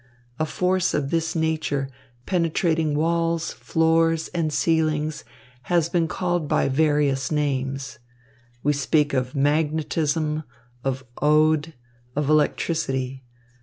A force of this nature, penetrating walls, floors and ceilings, has been called by various names. We speak of magnetism, of od, of electricity.